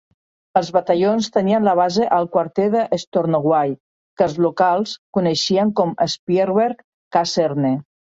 Els batallons tenien la base al quarter de Stornoway, que els locals coneixien com Spiegelberg Kaserne.